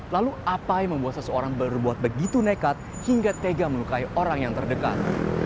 lalu apa yang membuat seseorang berbuat begitu nekat hingga tega melukai orang yang terdekat